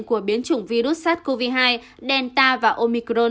của biến chủng virus sars cov hai delta và omicron